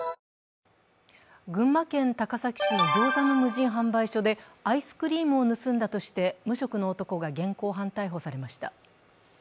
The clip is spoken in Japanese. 群馬県高崎市のギョーザの無人販売所で、アイスクリームを盗んだとして無職の男が現行犯逮捕されました。